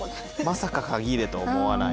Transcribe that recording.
まさか鍵入れとは思わない。